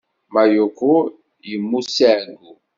Mayuko yemmut si ɛeggu.